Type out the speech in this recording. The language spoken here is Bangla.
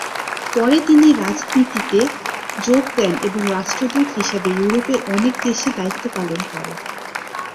পরে তিনি রাজনীতিতে যোগ দেন এবং রাষ্ট্রদূত হিসাবে ইউরোপের অনেক দেশে দায়িত্ব পালন করে।